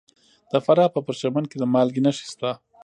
د فراه په پرچمن کې د مالګې نښې شته.